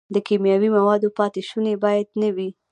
د کیمیاوي موادو پاتې شوني باید نه وي.